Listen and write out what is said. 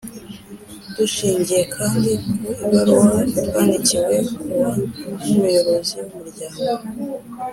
Dushingiye kandi ku ibaruwa twandikiwe kuwa n umuyobozi w umuryango